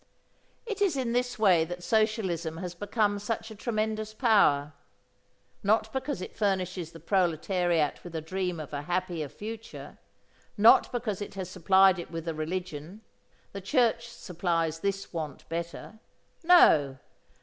It is in this way that socialism has become such a tremendous power. Not because it furnishes the proletariat with a dream of a happier future, not because it has supplied it with a religion. (The Church supplies this want better.) No!